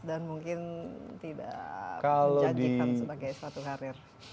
dan mungkin tidak dijadikan sebagai suatu karir